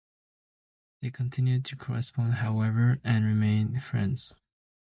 They continued to correspond, however, and remained friends.